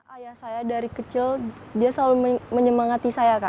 ayah saya dari kecil dia selalu menyemangati saya kak